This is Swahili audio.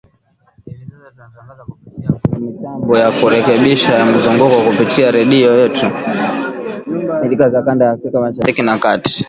Hivi sasa tunatangaza kupitia pia kwenye mitambo ya Urekebishaji wa Mzunguko kupitia redio zetu shirika za kanda ya Afrika Mashariki na Kati.